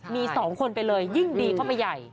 มี๒คนไปเลยยิ่งดีเข้าไปใหญ่